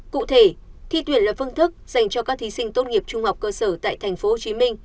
cụ thể thi tuyển là phương thức dành cho các thí sinh tốt nghiệp trung học cơ sở tại tp hcm